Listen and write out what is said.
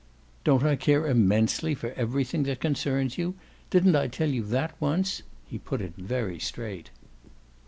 "Don't I care immensely for everything that concerns you? Didn't I tell you that once?" he put it very straight.